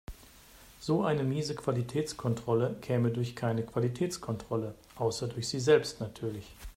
So eine miese Qualitätskontrolle käme durch keine Qualitätskontrolle, außer durch sich selbst natürlich.